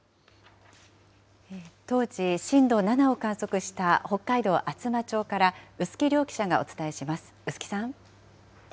当時、震度７を観測した北海道厚真町から、臼杵良記者がお伝えします。